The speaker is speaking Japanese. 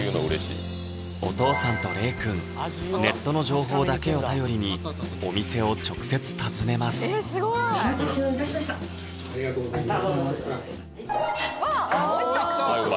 お父さんと玲くんネットの情報だけを頼りにお店を直接訪ねますお待たせいたしましたありがとうございますわっおいしそう！